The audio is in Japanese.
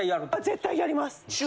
絶対やります。